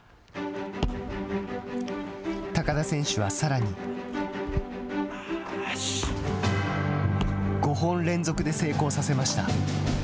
高田選手はさらに５本連続で成功させました。